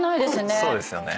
そうですよね。